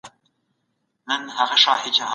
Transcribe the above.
خپل ذهن له هر ډول بدګمانۍ څخه وساتئ.